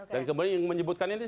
dan kemudian yang menyebutkan ini